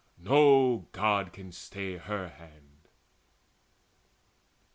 No God can stay her hand."